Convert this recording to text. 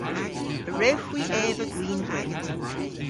A wrewgh hwi eva gwin gwynn?